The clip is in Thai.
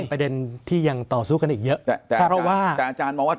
ประเด็นที่ยังต่อสู้กันอีกเยอะแต่เพราะว่าแต่อาจารย์มองว่า